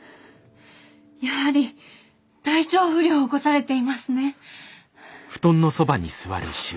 やはり体調不良を起こされていますね。